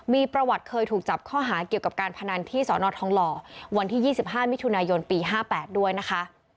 มีประวัติเคยถูกจับข้อหาเกี่ยวกับการพนันที่สนทองหล่อวันที่๒๕มิถุนายนปี๕๘ด้วยนะคะ